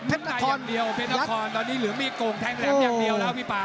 เพทนาคอร์นตอนนี้เหลือมีโกงแท้งแหลมอย่างเดียวแล้วพี่ป่า